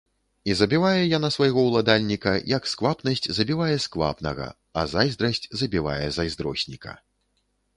І забівае яна свайго ўладальніка, як сквапнасць забівае сквапнага, а зайздрасць забівае зайздросніка.